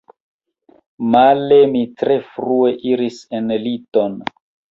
Male, mi tre frue iris en liton.